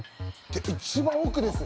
一番奥です。